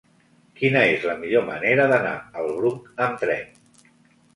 Quina és la millor manera d'anar al Bruc amb tren?